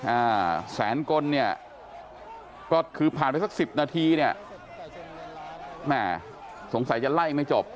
อ่าแสนกลเนี่ยก็คือผ่านไปสักสิบนาทีเนี่ยแม่สงสัยจะไล่ไม่จบ